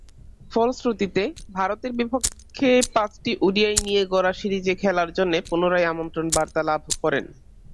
ফলশ্রুতিতে, ভারতের বিপক্ষে পাঁচটি ওডিআই নিয়ে গড়া সিরিজে খেলার জন্যে পুনরায় আমন্ত্রণ বার্তা লাভ করেন।